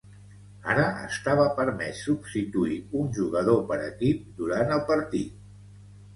Ara estava permès substituir un jugador per equip durant el partit.